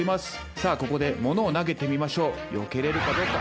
さあここでモノを投げてみましょう。よけれるかどうか。